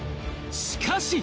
しかし！